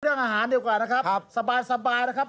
เรื่องอาหารดีกว่านะครับครับสบายสบายนะครับ